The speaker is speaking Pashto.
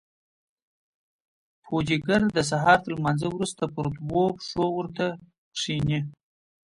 پوجيگر د سهار تر لمانځه وروسته پر دوو پښو ورته کښېني.